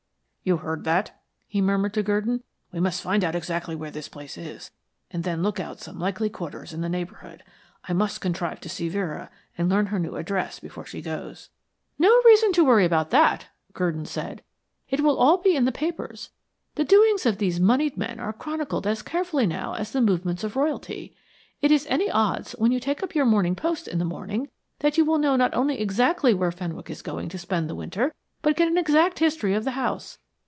"You heard that?" he murmured to Gurdon. "We must find out exactly where this place is, and then look out some likely quarters in the neighborhood. I must contrive to see Vera and learn her new address before she goes." "No reason to worry about that," Gurdon said. "It will all be in the papers. The doings of these monied men are chronicled as carefully now as the movements of Royalty. It is any odds when you take up your Morning Post in the morning that you will know not only exactly where Fenwick is going to spend the winter, but get an exact history of the house.